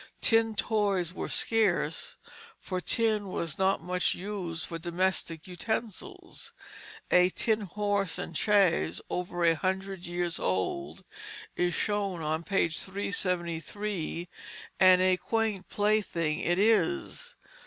Tin toys were scarce, for tin was not much used for domestic utensils. A tin horse and chaise over a hundred years old is shown on page 373, and a quaint plaything it is.